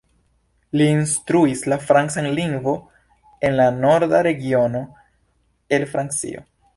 Li instruis la francan lingvo en la norda regiono el Francio.